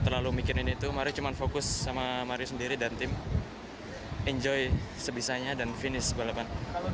terlalu mikirin itu mari cuma fokus sama mario sendiri dan tim enjoy sebisanya dan finish balapan